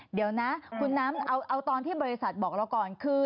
เดี๋ยวนะคุณน้ำเอาตอนที่บริษัทบอกเราก่อนคือ